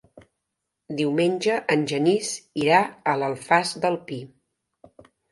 Diumenge en Genís irà a l'Alfàs del Pi.